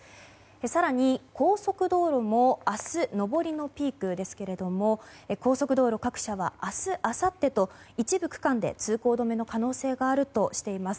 更に、高速道路も明日が上りのピークですが高速道路各社は明日あさってと一部区間で通行止めの可能性があるとしています。